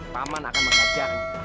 pak man akan mengajar